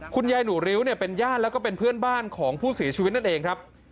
คุณยายหนูริ้วเนี่ยเป็นญาติแล้วก็เป็นเพื่อนบ้านของผู้เสียชีวิตนั่นเองครับ